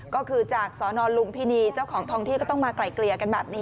ก็คือจากสนลุมพินีเจ้าของทองที่ก็ต้องมาไกลเกลี่ยกันแบบนี้